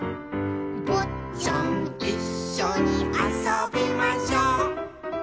「ぼっちゃんいっしょにあそびましょう」